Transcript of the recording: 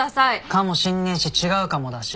かもしんねえし違うかもだし。